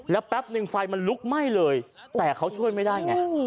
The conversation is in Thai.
แล้วแป๊บนึงไฟมันลุกไหม้เลยแต่เขาช่วยไม่ได้ไง